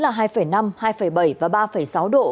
là hai năm hai bảy và ba sáu độ